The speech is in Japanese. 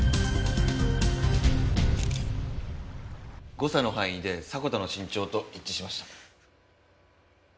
誤差の範囲で迫田の身長と一致しました。